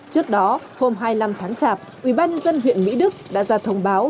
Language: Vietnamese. trước đó hôm hai mươi năm tháng chạp ubnd huyện mỹ đức đã ra thông báo